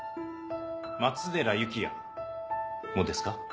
松寺有紀也もですか？